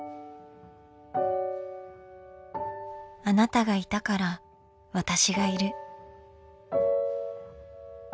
あなたがいたから私がいる。